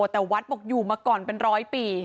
แต่วัดบอกอยู่มาก่อนเป็นร้อยปี